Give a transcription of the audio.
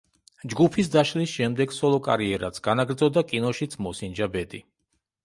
ჯგუფის დაშლის შემდეგ სოლო კარიერაც განაგრძო და კინოშიც მოსინჯა ბედი.